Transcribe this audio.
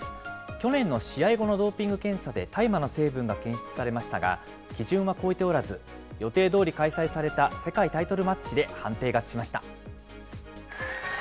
去年の試合後のドーピング検査で大麻の成分が検出されましたが、基準は超えておらず、予定どおり開催された世界タイトルマッチで判定勝ちしました。